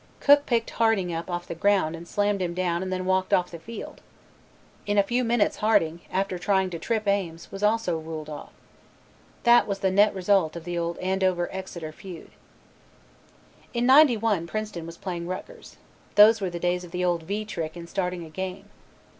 Cook picked Harding up off the ground and slammed him down and then walked off the field. In a few minutes Harding, after trying to trip Ames, also was ruled off. That was the net result of the old Andover Exeter feud. In '91 Princeton was playing Rutgers. Those were the days of the old "V" trick in starting a game.